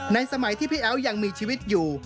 สมัยที่พี่แอ๊วยังมีชีวิตอยู่